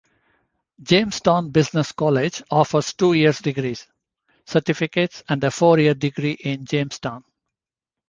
Jamestown Business College offers two year degrees, certificates, and a four-year degree in Jamestown.